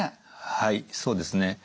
はいそうですね。